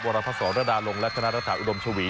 วรรภาษฐ์๒ระดาลงและทนาศาสตร์อุดมชาวี